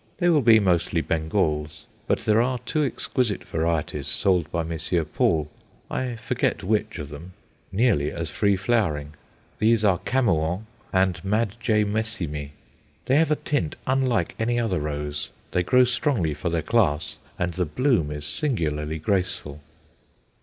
They will be mostly Bengals; but there are two exquisite varieties sold by Messrs. Paul I forget which of them nearly as free flowering. These are Camoens and Mad. J. Messimy. They have a tint unlike any other rose; they grow strongly for their class, and the bloom is singularly graceful.